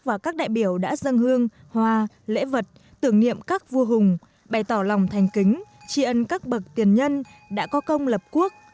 và các đại biểu đã dâng hương hoa lễ vật tưởng niệm các vua hùng bày tỏ lòng thành kính tri ân các bậc tiền nhân đã có công lập quốc